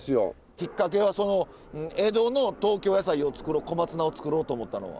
きっかけはその江戸の東京野菜を作ろう小松菜を作ろうと思ったのは？